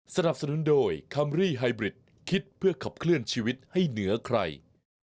สนับสนุนโดยคัมรี่ไฮบริดคิดเพื่อขับเคลื่อนชีวิตให้เหนือใคร